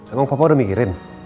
emang papa udah mikirin